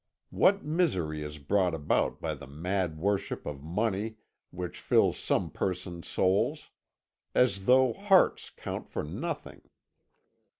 What misery is brought about by the mad worship of money which fills some persons' souls! As though hearts count for nothing!